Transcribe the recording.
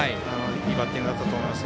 いいバッティングだったと思います。